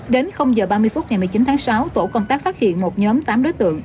đến h ba mươi phút ngày một mươi chín tháng sáu tổ công tác phát hiện một nhóm tám đối tượng